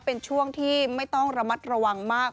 เป็นช่วงที่ไม่ต้องระมัดระวังมาก